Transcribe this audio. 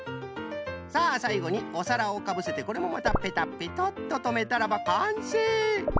さあさいごにおさらをかぶせてこれもまたペタペタッととめたらばかんせい！